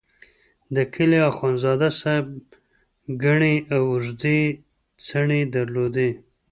د کلي اخندزاده صاحب ګڼې او اوږدې څڼې درلودې.